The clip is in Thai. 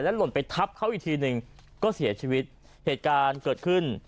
หล่นไปทับเขาอีกทีหนึ่งก็เสียชีวิตเหตุการณ์เกิดขึ้น